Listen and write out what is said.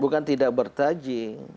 bukan tidak bertaji